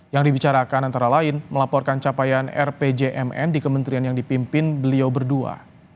yang dibicarakan antara lain melaporkan capaian rpjmn di kementerian yang dipimpin beliau berdua